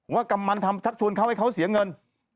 กำมันทำชักชวนเขาให้เขาเสียเงิน